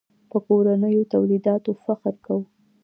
په کورنیو تولیداتو فخر کوو.